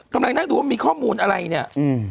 คำนั้นน่าถูกว่ามีข้อมูลอะไรเนี่ย